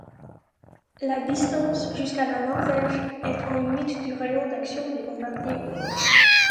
La distance jusqu'à la Norvège est en limite du rayon d'action des bombardiers.